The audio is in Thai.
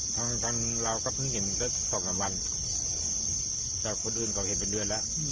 ทั้งตอนเราก็เพิ่งเห็นทำกว่างนี้๒นับวันแต่คนอื่นเข้าเห็นเป็นเดือนแล้ว